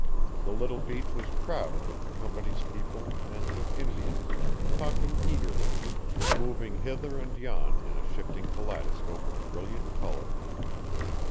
The little beach was crowded with the Company's people and with Indians, talking eagerly, moving hither and yon in a shifting kaleidoscope of brilliant color.